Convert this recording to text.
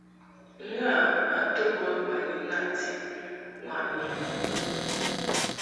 Ngâ a to bə ma ni naʼti ŋwàʼni wuʼ bə.